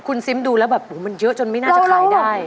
คุณซิมดูแล้วแบบมันเยอะจนไม่น่าจะขายได้